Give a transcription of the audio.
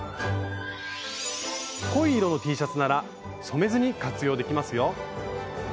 濃い色のＴシャツなら染めずに活用できますよ。